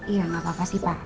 iya nggak apa apa sih pak